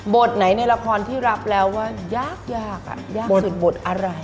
ไหนในละครที่รับแล้วว่ายากยากสุดบทอะไร